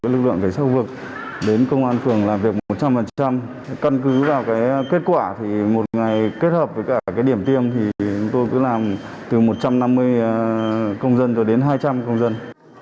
lực lượng cảnh sát khu vực đến công an phường làm việc một trăm linh căn cứ vào kết quả thì một ngày kết hợp với cả điểm tiêm thì chúng tôi cứ làm từ một trăm năm mươi công dân rồi đến hai trăm linh công dân